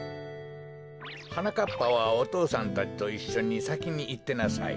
はなかっぱはお父さんたちといっしょにさきにいってなさい。